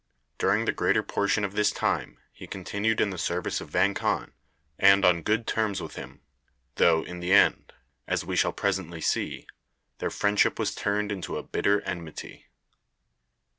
During the greater portion of this time he continued in the service of Vang Khan, and on good terms with him, though, in the end, as we shall presently see, their friendship was turned into a bitter enmity.